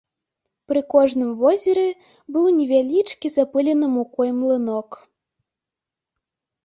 Пры кожным возеры быў невялічкі запылены мукой млынок.